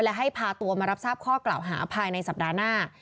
และให้พาตัวมารับทราบข้อกล่าวหาภายในสัปดาห์หน้า